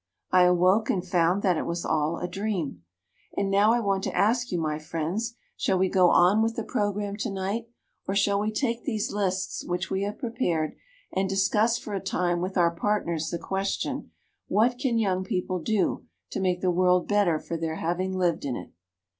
I awoke and found that it was all a dream. And now I want to ask you, my friends, shall we go on with the program tonight, or shall we take these lists which we have prepared, and discuss for a time with our partners the question, 'What can young people do to make the world better for their having lived in it'?"